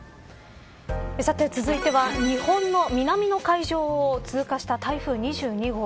続いては日本の南の海上を通過した台風２２号。